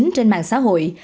trên mạng xã hội